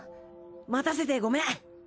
待たせてごめん。